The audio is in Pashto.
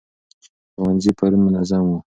ښوونځي پرون منظم وو.